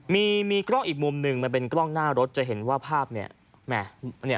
มีกล้องอีกมุมหนึ่งมันเป็นกล้องหน้ารถจะเห็นว่าภาพเนี่ย